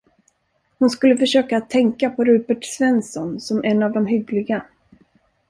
Hon skulle försöka att tänka på Rupert Svensson som en av de hyggliga.